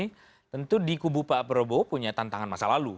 tapi tentu di kubu pak prabowo punya tantangan masa lalu